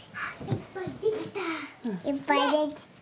いっぱいできた。